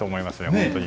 本当に。